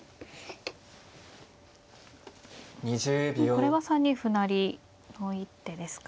これは３二歩成の一手ですか。